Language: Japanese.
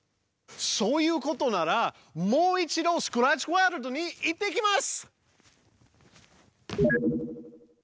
そういうことならもう一度スクラッチワールドに行ってきます！